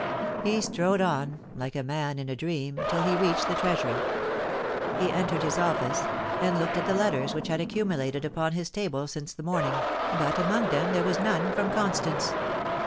He strode on, like a man in a dream, till he reached the Treasury. He entered his office, and looked at the letters which had accumulated upon his table since the morning, but among them there was none from Constance.